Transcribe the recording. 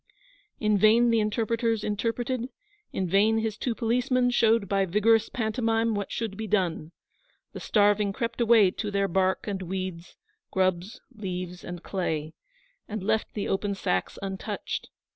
In vain the interpreters interpreted; in vain his two policemen showed by vigorous pantomime what should be done. The starving crept away to their bark and weeds, grubs, leaves, and clay, and left the open sacks untouched.